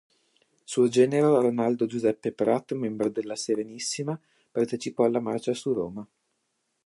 Suo genero Rolando Giuseppe Prat, membro della "Serenissima", partecipò alla marcia su Roma.